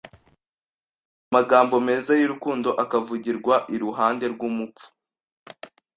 Amagambo meza y'urukundo akavugirwa iruhande rw'umupfu